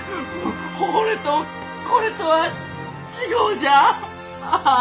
ほれとこれとは違うじゃんあ。